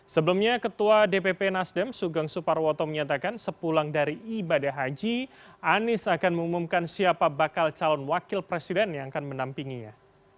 sebelumnya ketua dpp nasdem sugeng suparwoto menyatakan sepulang dari ibadah haji anies akan mengumumkan siapa bakal calon wakil presiden yang akan menampinginya